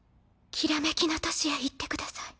煌めきの都市へ行ってください。